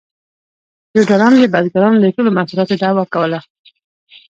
فیوډالانو د بزګرانو د ټولو محصولاتو دعوه کوله